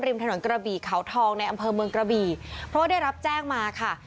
ถนนกระบี่เขาทองในอำเภอเมืองกระบี่เพราะว่าได้รับแจ้งมาค่ะ